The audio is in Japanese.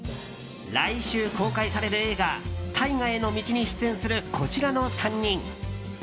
来週公開される映画「大河への道」に出演するこちらの３人。